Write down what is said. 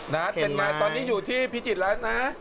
น้าเป็นไงนายที่พิจิตย์แล้วนะ